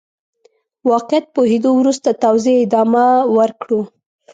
واقعيت پوهېدو وروسته توزيع ادامه ورکړو.